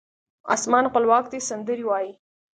اسمان خپلواک دی سندرې وایې